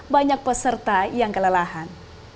banyak peserta yang kelelahan